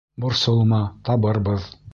Борсолма, табырбыҙ!